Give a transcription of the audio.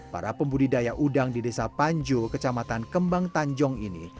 para pembudidaya udang di desa panjo kecamatan kembang tanjong ini